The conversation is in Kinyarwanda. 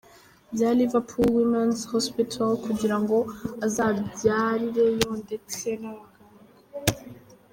bya Liverpool Women's Hospital kugira ngo azabyarireyo ndetse nabaganga.